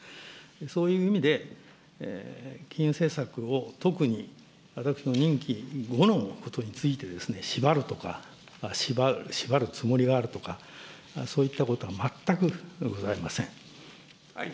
そういう意味で金融政策を特に、私の任期後のことについてしばるとか、しばるつもりがあるとか、そういったことは全くございません。